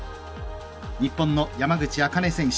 日本の山口茜選手。